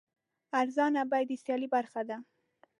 ارزانه بیه د سیالۍ برخه ده.